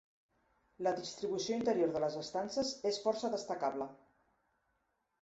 La distribució interior de les estances és força destacable.